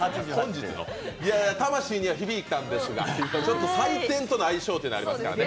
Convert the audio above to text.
いやいや、魂には響いたんですが、採点との相性っていうのがありますからね。